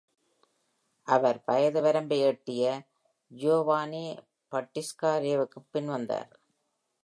அவர் வயது வரம்பை எட்டிய ஜியோவானி பாட்டிஸ்டா ரேவுக்குப் பின் வந்தார்.